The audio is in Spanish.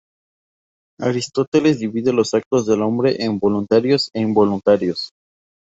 Aristóteles divide los actos del hombre en voluntarios e involuntarios.